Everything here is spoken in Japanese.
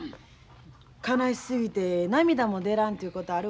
悲しすぎて涙も出らんていうことあるわな。